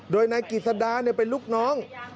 โดยนายกิจสดาเป็นลูกน้อง